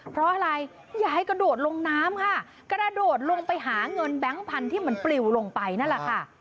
เพราะอะไรยายกระโดดลงน้ำค่ะกระโดดลงไปหาเงินแบงค์พันธุ์ที่มันปลิวลงไปนั่นแหละค่ะ